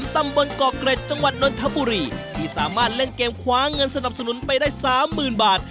ตำบลกอกเกรจจังหวัดนทบุรีที่สามารถเล่นเกมขวาเงินสนับสนุนไปได้๓๐๐๐๐บาท